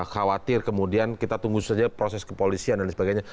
khawatir kemudian kita tunggu saja proses kepolisian dan sebagainya